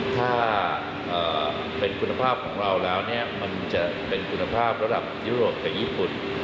ถ้าเป็นคุณภาพของเราแล้วมันจะเป็นคุณภาพระดับยุโรปกับญี่ปุ่น